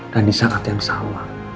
dan di saat yang sama